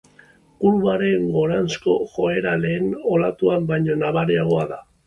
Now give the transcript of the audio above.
Kurbaren goranzko joera lehen olatuan baino nabariagoa da.